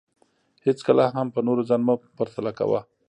هېڅکله هم په نورو ځان مه پرتله کوه